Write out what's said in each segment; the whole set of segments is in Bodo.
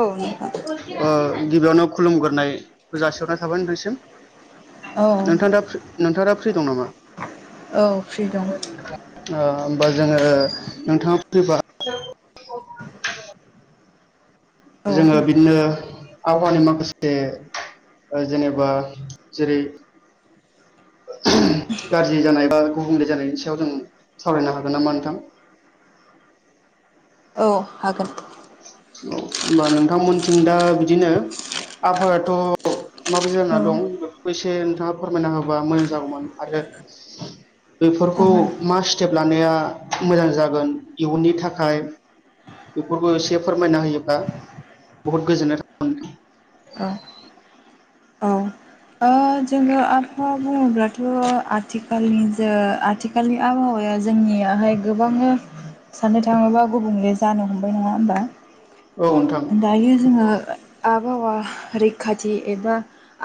औ नोंथां ओ गिबियावनो खुलुमग्रोनाय जासिहरना थाबाय नोंथांसिम नोंथां औ दा फि नोंथाङा दा फ्रि दं नामा औ फ्रि दं [unintelligible] ओ होमबा जोङो नोंथाङा [inaudible] औ जोङो बिननो आबहावानि माखासे ओ जेनेबा जेरै [unintelligible] गाज्रि जानाय बा गुबुंले जानायनि सायाव जों सावरायनो हागोन नामा नोंथां औ हागोन औ होमबा नोंथांमोनथिं दा बिदिनो आबहावायाथ' माबायदि जाना औ दं बेफोरखौ नोंथाङा फोरमायना होबा मोजां जागौमोन आरो बेफोरखौ ओहो मा स्टेप लानाया मोजां जागोन इयुननि थाखाय बेफोरखौ एसे फोरमायना होयोबा बहुद गोजोननाय थागोन औ ओ जोङो आबहावा बुङोब्लाथ' आथिखालनि जो आथिखालनि आबहावाया जों नियाहाय गोबांनो साननो थाङोबा गुबुंले जानो हमबाय नङा होमबा औ नोंथां दायो जोङो ओ आबहावा रैखाथि एबा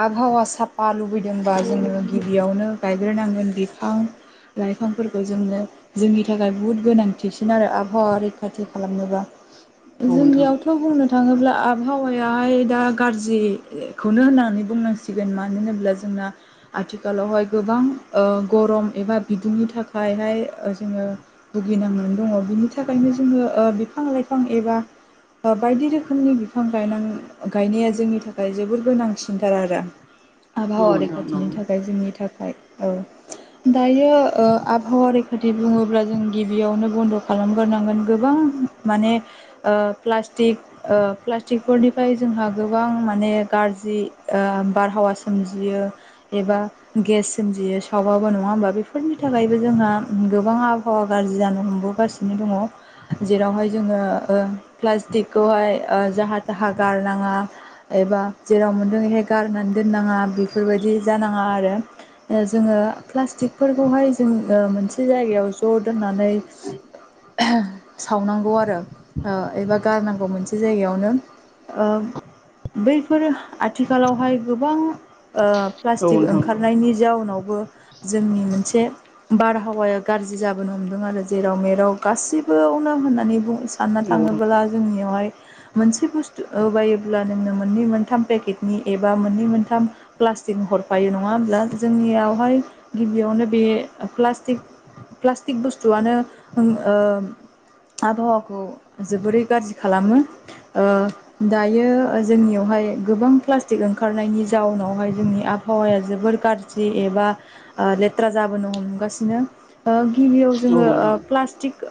आबहावा साप बा लुबैदोंबा जोङो गिबियावनो गायग्रोनांगोन बिफां लाइफांफोरखौ जोंनो जोंनि थाखाय बहुद गोनांथिसिन आरो आबहावा रैखाथि खालामनोबा औ नोंथां जोंनियावथ' बुंनो थाङोब्ला आबहावायाहाय दा गाज्रिखौनो होननानै बुंनांसिगोन मा मानो होनोब्ला जोंना आथिखालावहाय गोबां गरम एबा बिदुंनि थाखायहाय जोङो भुगिनांनानै दङ बिनि थाखायनो जोङो ओ बिफां लाइफां एबा बायदि रोखोमनि बिफां गाय गायनाया जोंनि थाखाय जोबोर गोनांसिनथार आरो औ आबहावा नोंथां रैखाथिनि थाखाय जोंनि थाखाय औ दायो ओ हौवा रैखाथि बुङोब्ला जों गिबियावनो बन्द' खालामगोरोनांगोन गोबां माने ओ प्लटिकट ओ प्लास्टिकफोरनिफ्राय जोंहा गोबां माने गाज्रि ओ बारहावा सा सोमजियो एबा गेस सोमजियो सावबाबो नङा होमबा बेफोरनि थाखायबो जोंहा गोबां आबहावा गाज्रि जानो हमबोगासिनो दङ जेरावहाय जोङो प्लास्टिक खौहाय जाहा थाहा गारनाङा एबा जेराव मोनदों बेहाय गारनानै दोन होन नाङा बेफोरबायदि जानाङा आरो जोङो प्लास्टिकफोरखौहाय जों मोनसे जायगायाव ज' दोननानै सावनांगौ आरो एबा गारनांगौ मोनसे जायगायाव मोन ओ बैफोर आथिखालावहाय गोबां ओ औ प्लास्टिक नोंथां ओंखारनायनि जाउनावबो जोंनि मोनसे बारहावाया गाज्रि जाबोनो हमदों आरो जेराव मेराव गासिबोयावनो होननानै बुङो। सानना औ थाङोब्ला जोंनियाव [inaudible] बा मोननै मोनथाम प्लास्टिक हरफायो नङा होमब्ला जोंनियावहाय गिबियावनो बे प्लास्टिक बुस्थुआनो आबहावाखौ जोबोरै गाज्रि खालामो दायो जोंनियावहाय गोबां प्लास्टिक ओंखारनायनि जाऊनावहाय जोंनि आबहावाया जोबोर गाज्रि एबा लेथ्रा जाबोनो हमगासिनो गिबियाव नोंथां औ जोङो नोंथां प्लास्टिक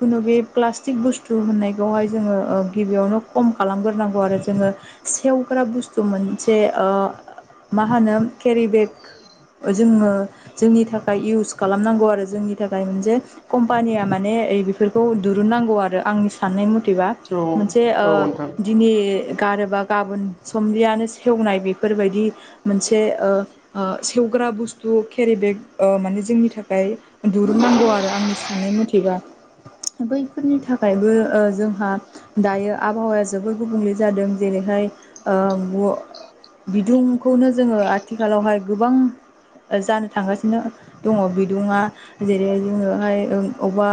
खुनु बे प्लास्टिक बुस्थु होननायखौहाय जोङो गिबियावनो खम खालामग्रोनांगौ आरो जोङो। सेवग्रा बुस्थु मोनसे मा होनो केरि बेग जोङो जोंनि थाखाय इउस खालामनांगौ आरो जोंनि थाखाय मोनसे कम्पानिया माने बेफोरखौ दुरुननांगौ आरो आंनि साननाय मथे औ औ नोंथां [inaudible] समलियानो सेवनाय बेफोरबायदि मोनसे सेवग्रा बुस्थु केरि बेग माने जोंनि थाखाय दुरुननांगौ आरो आंनि साननाय मथेबा [inaudible] बैफोरनि थाखायबो जोंहा दायो आबहावाया जोबोर गुबुंले जादों जेरैहाय। बिदुंखौनो जोङो आथिखालावहाय गोबां जानो थांगासिनो दङ बिदुंआ जेरै जोंङोहाय अबा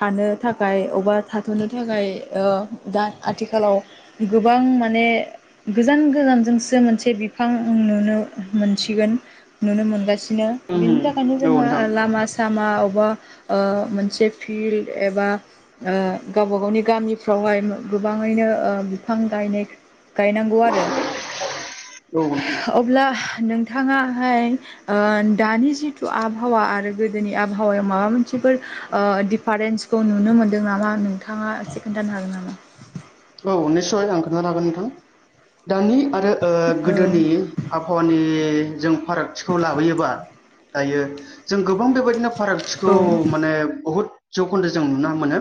थानो थाखाय अबेबा थाथ'नो थाखाय दा आथिखालाव गोबां माने। गोजान गोजानजोंसो मोनसे बिफां नुनो मोनसिगोन नुनो मोनगासिनो। बिनो उम बिनि थाखायनो औ जोङो नोंथां लामा सामा मा अबबा मोनसे फिल्ड एबा। गावबा गावनि गामिफ्रावहाय गोबाङैनो बिफां गायनाय। गायनांगौ आरो औ अब्ला नोंथाङाहाय दानि जिथु आबहावा आरो गोदोनि आबहावायाव माबा मोनसे बेफोर डिफारेन्सखौ नुनो मोनदों नामा नोंथाङा एसे खोन्थानो हागोन नामा। औ निदसय आं खोन्थानो हागोन नोंथां। दानि आरो औ गोदोनि आबहावानि जों फारागथिखौ लाबोयोबा। दायो जों गोबां बेबायदिनो औ फारागथिखौ माने बहुद जौखोन्दो जों नुनो मोनो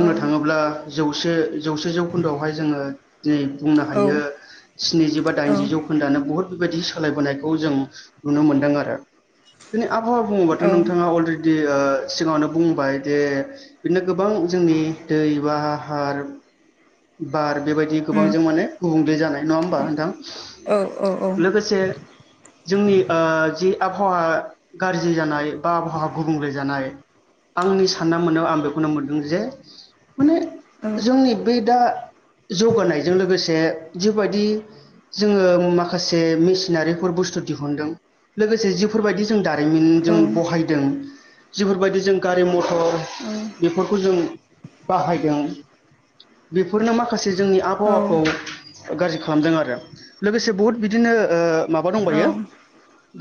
औ थाङोब्ला जौसे जौसे जौखोन्दोआवहाय जोङो दिनै बुंनो हायो। औ स्निजिबा औ दाइनजि जौ खोन्दोआनो बहुद बेबायदि सोलायबोनायखौ जों नुनो मोनदों आरो। आबहावा बुङोब्लाथ' नोंथाङा अलरेडि सिगाङावनो बुंबाय जे बिदिनो गोबां जोंनि दै बा [unintelligible] बार। बेबायदि उम गोबांजों माने गुबुंले जानाय नङा होमबा नोंथां। औ औ लोगोसे जोंनि ओ जि आबहावा गारजि जानाय बा आबहावा गुबुंले जानाय। आंनि सानना मोननायाव आं बेखौनो मोनदों जे माने जोंनि बे दा जौगानायजों लोगोसे बेफोर बायदि जोङो माखासे मेसिनारिफोर बुस्थु दिहुनदों लोगोसे जिफोर बायदि दारिमिन जों बहायदों जेफोरबायदि जों गारि म तर बेफोरखौ जों बाहायदों। बेफोरनो माखासे जोंनि औ आबहावाखौ गाज्रि खालामदों आरो लोगोसे बहुत बिदिनो माबा औ दंबायो।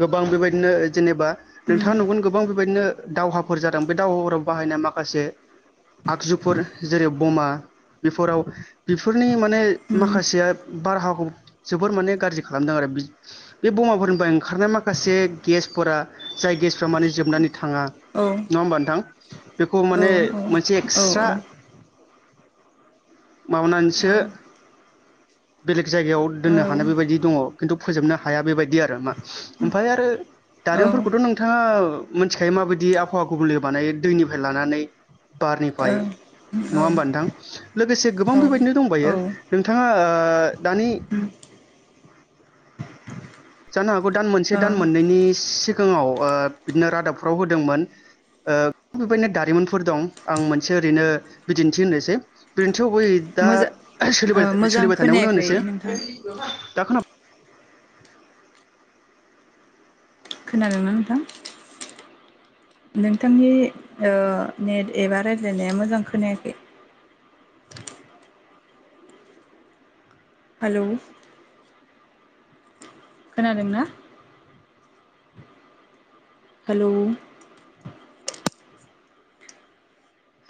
गोबां बेबायदिनो जेनेबा नोंथाङा उम नुगोन गोबां बेबायदिनो दावहाफोर जादों बे दावहाफोराव बाहायनाय माखासे आगजुफोर जेरै बमा बेफोराव बेफोरनि माने उम माखासेया बारहावाखौ जोबोर माने गारजि खालामदों आरो बि- बे बमाफोरनिफ्राय ओंखारनाय माखासे गेसफोरा जाय गेसफ्रा माने जोबनानै थाङा औ नङा होमबा नोंथां? बेखौ औ माने मोनसे औ एक्सट्रा माबानानैसो [inaudible] बेलेग जायगायाव औ दोननो हानाय बेबायदि दङ खिन्थु फोजोबनो हाया बेबायदि आरो मा ओमफाय आरो औ दारिमिनफोरखौथ' नोंथाङा मोनथिखायो माबायदि आबहावा गुबुंले बानाय दैनिफ्राय लानानै बारनिफ्राय नङा होमबा नोंथां? लोगोसे गोबां बेबायदिनो दंबायो औ नोंथाङा ओ दानि उम जानो हागौ दान मोनसे औ दान मोननैनि सि-सिगाङाव ओ बिदिनो रादाबफ्राव होदोंमोन। ओ बेबायदिनो दारिमिनफोर दं आं मोनसे ओरैनो बिदिन्थि होननोसै [unintelligible] थैबै दा मोजा ओ सोलिबाय मोजां सोलिबाय थानायावनो खोनायाखै होनोसै नोंथां दा खोना खोनादोंना नोंथां? नोंथांनि ओ नेट एबा रायज्लायनाया मोजां खोनायाखै। हालौ। खोनादोंना? हालु।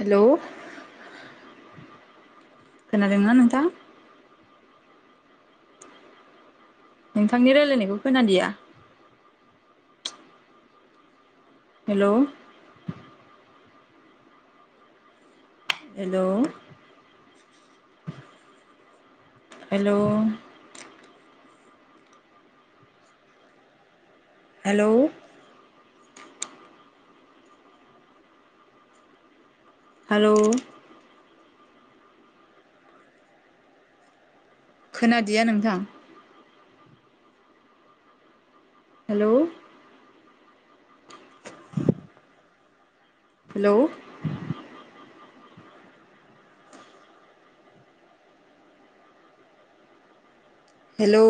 हेलौ खोनादोंना नोंथा? नोंथांनि रायलायनायखौ खोनादिया। Hello hello [inaudible] hello hello hello खोनादिया नोंथां। Hello hello hello